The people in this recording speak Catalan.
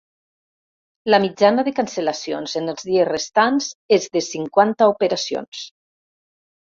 La mitjana de cancel·lacions en els dies restants és de cinquanta operacions.